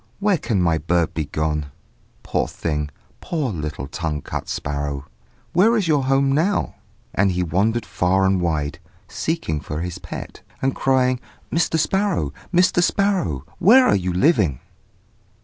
where can my bird be gone? Poor thing! Poor little tongue cut sparrow! where is your home now?" and he wandered far and wide, seeking for his pet, and crying, "Mr. Sparrow! Mr. Sparrow! where are you living?"